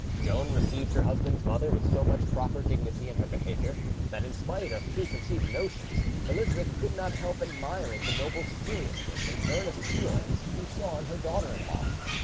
Joan received her husband's mother with so much proper dignity in her behaviour that, in spite of preconceived notions, Elizabeth could not help admiring the noble seriousness and earnest feeling she saw in her daughter in law.